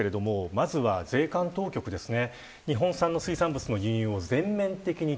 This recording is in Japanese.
まずは税関当局ですね。